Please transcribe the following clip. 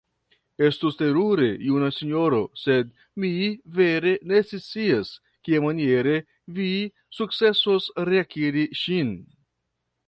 Estus terure, juna sinjoro, sed mi vere ne scias, kiamaniere vi sukcesos reakiri ŝin.